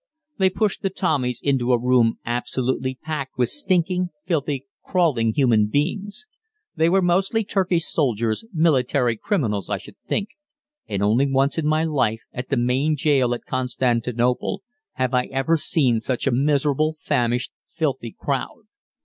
They pushed the Tommies into a room absolutely packed with stinking, filthy, crawling human beings. They were mostly Turkish soldiers, military criminals I should think, and only once in my life, at the main jail at Constantinople, have I ever seen such a miserable, famished, filthy crowd.